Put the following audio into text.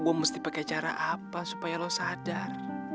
gue mesti pakai cara apa supaya lo sadar